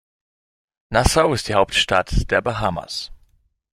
Nassau ist die Hauptstadt der Bahamas.